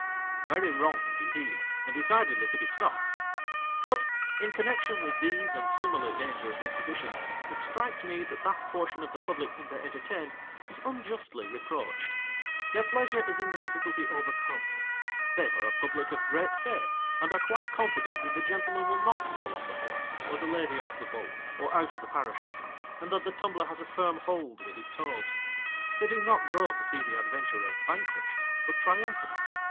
Very wrong indeed, and decidedly to be stopped. But, in connexion with these and similar dangerous exhibitions, it strikes me that that portion of the public whom they entertain, is unjustly reproached. Their pleasure is in the difficulty overcome. They are a public gf great faith, and are quite con fident that the gentleman will not fall off the horse, or the lady off the bull or out of the parachute, and that the tumbler has a firm hold with his toes. They do not go to see the adventurer vanquished, but triumphant.